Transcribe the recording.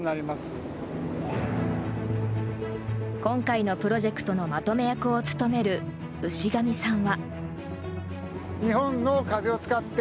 今回のプロジェクトのまとめ役を務める牛上さんは。